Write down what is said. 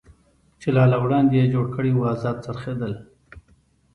چې لا له وړاندې یې جوړ کړی و، ازاد څرخېدل.